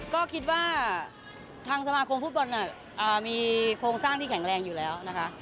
ก็คิดว่าทางสมาคมฟุตบอลมีโครงสร้างที่แข็งแรงอยู่แล้วนะคะ